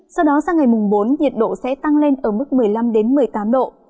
sau đó sang ngày mùng bốn nhiệt độ sẽ tăng lên ở mức một mươi năm một mươi tám độ